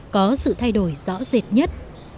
có sự thay đổi rõ rệt nhất